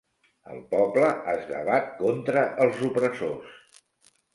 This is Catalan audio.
El poble es debat contra els opressors.